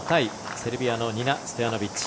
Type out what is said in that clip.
セルビアのニナ・ストヤノビッチ。